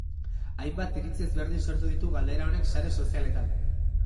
Hainbat iritzi ezberdin sortu ditu galdera honek sare sozialetan.